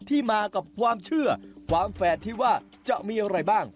ที่มากับความเชื่อความแฝดที่ว่าจะมีอะไรบ้าง